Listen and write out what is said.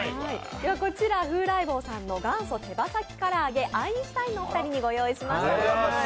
こちら風来坊さんの元祖手羽元唐揚げ、アインシュタインのお二人にご用意しました。